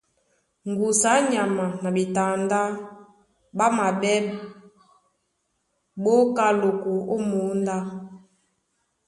Ŋgusu á nyama na ɓetandá ɓá maɓɛ́ ɓá oká loko ó mǒndá.